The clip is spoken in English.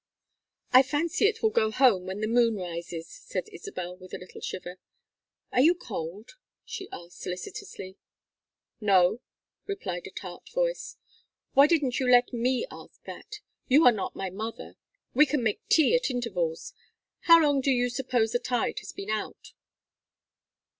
"I fancy it will go home when the moon rises," said Isabel, with a little shiver. "Are you cold?" she asked, solicitously. "No," replied a tart voice. "Why didn't you let me ask that? You are not my mother. We can make tea at intervals. How long do you suppose the tide has been out?"